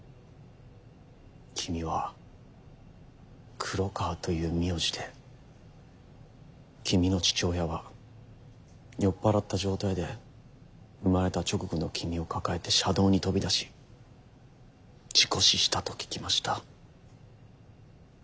君は黒川という名字で君の父親は酔っ払った状態で生まれた直後の君を抱えて車道に飛び出し事故死したと聞きました。